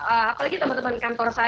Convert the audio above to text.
apalagi teman teman kantor saya